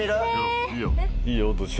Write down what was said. いいよ